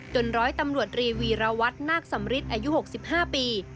ร้อยตำรวจรีวีรวัตนาคสำริทอายุ๖๕ปี